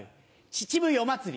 秩父夜祭。